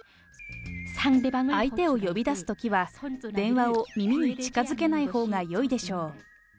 相手を呼び出すときは、電話を耳に近づけないほうがよいでしょう。